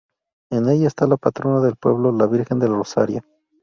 En ella está la patrona del pueblo la Virgen del Rosario.